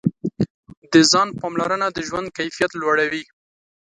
د ځان پاملرنه د ژوند کیفیت لوړوي.